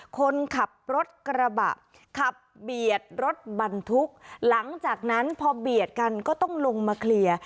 คนขับรถกระบะขับเบียดรถบรรทุกหลังจากนั้นพอเบียดกันก็ต้องลงมาเคลียร์